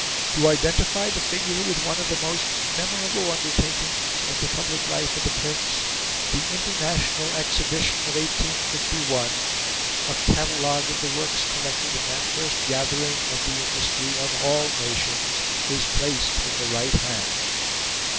To identify the figure with one of the most memorable undertakings of the public life of the Prince the International Exhibition of 1851 a catalogue of the works collected in that first gathering of the industry of all nations, is placed in the right hand."